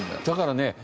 だからね